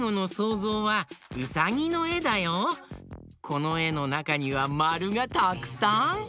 このえのなかにはまるがたくさん！